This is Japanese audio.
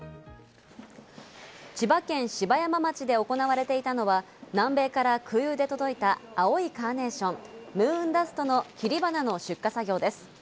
千葉県芝山町で行われていたのは南米から空輸で届いた青いカーネーション、ムーンダストの切り花の出荷作業です。